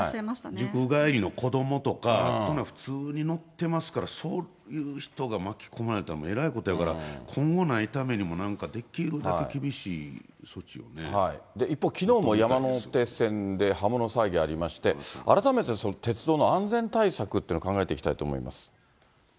塾帰りの子どもとか、そんなの普通に乗ってますから、そういう人が巻き込まれたらえらいことだから、今後ないためにも、なん一方、きのうも山手線で刃物騒ぎがありまして、改めて、鉄道の安全対策っていうのを考えていきたいと思います。